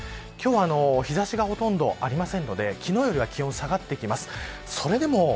今日は日差しがほとんどありませんので昨日よりは気温が下がってきます